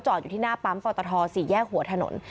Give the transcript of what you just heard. อยู่ที่หน้าปั๊มปตท๔แยกหัวถนน